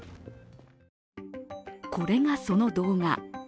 これが、その動画。